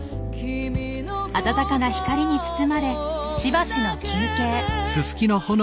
暖かな光に包まれしばしの休憩。